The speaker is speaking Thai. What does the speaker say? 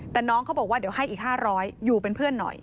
แต่น้องเขาบอกว่าเดี๋ยวให้อีก๕๐๐อยู่เป็นเพื่อนหน่อย